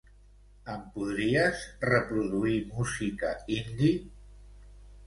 Em podries reproduir música indie?